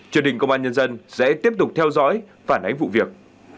chương trình công an nhân dân sẽ tiếp tục theo dõi và nánh vụ việc